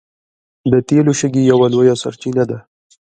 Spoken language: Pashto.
د تیلو شګې یوه لویه سرچینه ده.